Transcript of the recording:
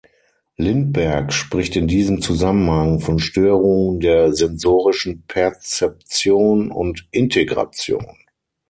Lindberg spricht in diesem Zusammenhang von Störungen der sensorischen Perzeption und Integration.